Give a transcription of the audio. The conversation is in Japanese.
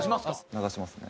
流しますね。